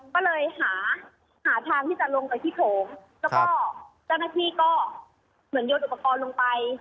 ก็เลยหาหาทางที่จะลงไปที่โถงแล้วก็เจ้าหน้าที่ก็เหมือนโยนอุปกรณ์ลงไป